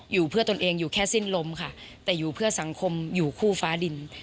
อยู่เพื่อตนเองอยู่แค่สิ้นลมค่ะแต่อยู่เพื่อสังคมอยู่คู่ฟ้าดิน